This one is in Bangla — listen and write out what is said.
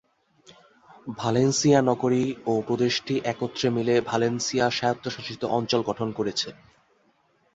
ভালেনসিয়া নগরী ও প্রদেশটি একত্রে মিলে ভালেনসিয়া স্বায়ত্বশাসিত অঞ্চল গঠন করেছে।